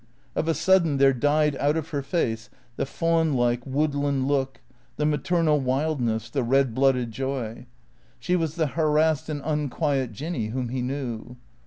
Of a sudden there died out of her face the fawn like, wood land look, the maternal wildness, the red blooded joy. She THECREATOKS 345 was the harassed and unquiet Jinny whom he knew.